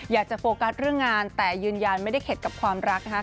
อยากจะโฟกัสเรื่องงานแต่ยืนยันไม่ได้เข็ดกับความรักนะคะ